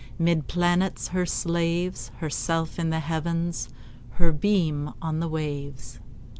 'Mid planets her slaves, Herself in the Heavens, Her beam on the waves.